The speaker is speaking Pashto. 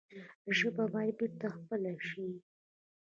ژبه باید بېرته خپل شي.